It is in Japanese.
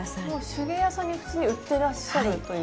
手芸屋さんに普通に売ってらっしゃるという。